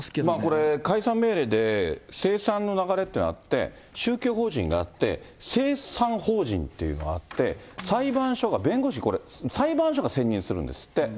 これ、解散命令で、清算の流れというのがあって、宗教法人があって、清算法人っていうのがあって、裁判所が弁護士、これ、裁判所が選任するんですって。